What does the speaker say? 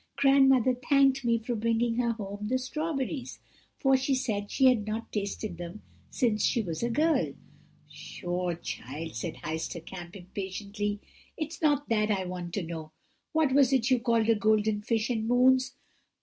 Grandmother thanked me for bringing her home the strawberries, for she said she had not tasted them since she was a girl.' "'Pshaw, child,' said Heister Kamp impatiently; 'it is not that I want to know. What was it you called a golden fish and moons?'